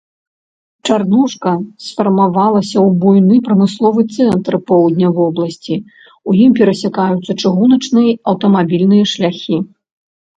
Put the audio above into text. Чарнушка сфармавалася ў буйны прамысловы цэнтр поўдня вобласці, у ім перасякаюцца чыгуначныя, аўтамабільныя шляхі.